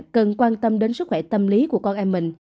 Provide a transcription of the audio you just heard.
cần quan tâm đến sức khỏe tâm lý của con em mình